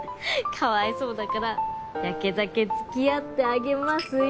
かわいそうだからやけ酒付き合ってあげますよ。